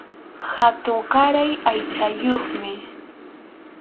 Hatunkaray aychayuqmi.